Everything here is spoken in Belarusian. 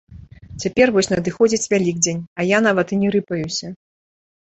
Цяпер вось надыходзіць вялікдзень, а я нават і не рыпаюся.